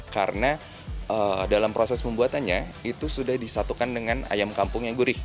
karena dalam proses membuatannya itu sudah disatukan dengan ayam kampung yang gurih